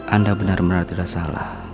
anda benar benar tidak salah